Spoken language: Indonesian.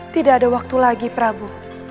tidak ada waktu lagi prabu